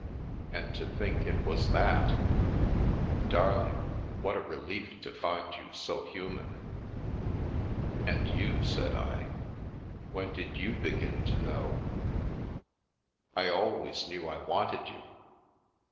And to think it was that — darling, what a relief to find you so human !"" And you," said I, " when did you begin to know ?"" I always knew I wanted you.